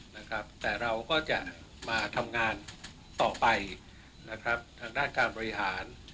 นะครับแต่เราก็จะมาทำงานต่อไปนะครับทางด้านการบริหาร